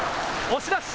押し出し。